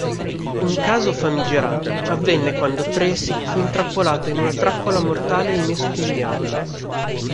Un caso famigerato avvenne quando Tracy fu intrappolato in una trappola mortale inespugnabile.